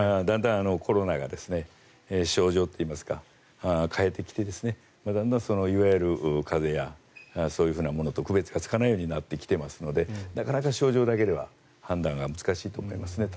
だんだんコロナが症状といいますか変えてきてだんだんいわゆる風邪やそういうふうなものと区別がつかないようになってきていますのでなかなか症状だけでは判断が難しいと思います。